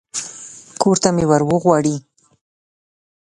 کور ته مې ور وغواړي.